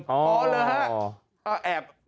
อ๋อหรือฮะ